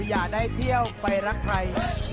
อย่าได้เที่ยวไปรักใคร